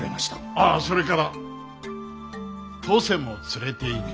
ああそれから登勢も連れていけ。